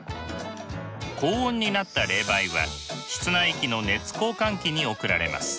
高温になった冷媒は室内機の熱交換器に送られます。